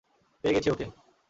পেয়ে গেছি ওকে!